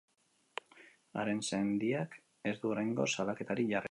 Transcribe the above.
Haren sendiak ez du oraingoz salaketarik jarri.